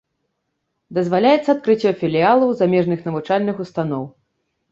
Дазваляецца адкрыццё філіялаў замежных навучальных устаноў.